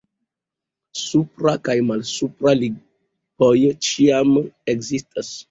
Supra kaj malsupra lipoj ĉiam ekzistas.